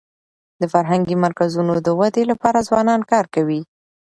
د فرهنګي مرکزونو د ودي لپاره ځوانان کار کوي.